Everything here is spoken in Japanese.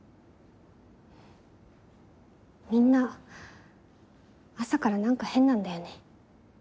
みんな朝から何か変なんだよね。